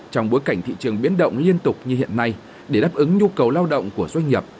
trong bối cảnh thị trường biến động của doanh nghiệp